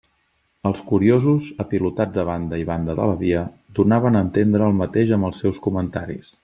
Els curiosos, apilotats a banda i banda de la via, donaven a entendre el mateix amb els seus comentaris.